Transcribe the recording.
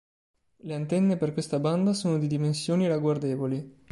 Le antenne per questa banda sono di dimensioni ragguardevoli.